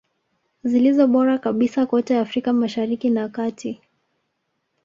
Zilizo bora kabisa kote Afrika Mashariki na kati